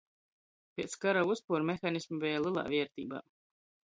Piec kara vyspuor mehanismi beja lelā vierteibā.